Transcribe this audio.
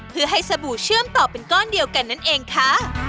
เพื่อให้สบู่เชื่อมต่อเป็นก้อนเดียวกันนั่นเองค่ะ